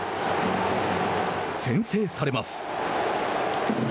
先制されます。